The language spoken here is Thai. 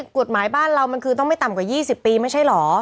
กฎหมายบ้านเรามันคือต้องไม่ต่ำกว่า๒๐ปีไม่ใช่เหรอ